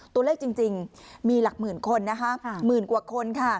ตัวเลขจริงมีหลักหมื่นกว่าคน